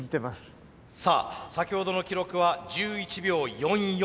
さあ先ほどの記録は１１秒４４。